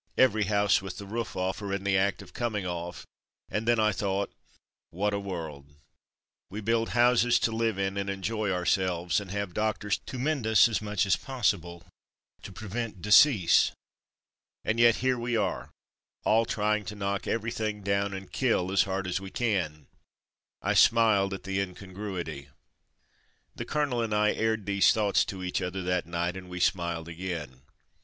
Every house with the roof off, or in the act of coming off, and then I thought '' What a world ! We build houses to 104 From Mud to Mufti live in and enjoy ourselves, and have doctors to mend us as much as possible to prevent decease, and yet here we are; all trying to knock everything down and kill as hard as we can/' I smiled at the incongruity. The colonel and I aired these thoughts to each other that night, and we smiled again.